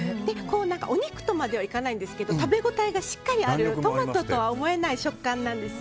お肉とまではいかないんですが食べ応えがしっかりあるトマトとは思えない食感なんですよ。